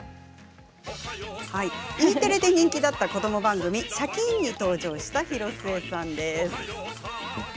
Ｅテレで人気だった子ども番組「シャキーン！」に登場した広末さん。